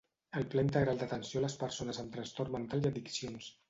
El Pla integral d'atenció a les persones amb trastorn mental i addiccions.